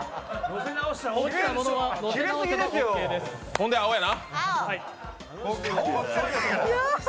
ほんで青やな。